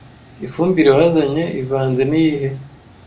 Ifumbire wazanye ivanze niyihe